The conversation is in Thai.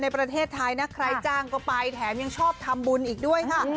ประเทศไทยนะใครจ้างก็ไปแถมยังชอบทำบุญอีกด้วยค่ะ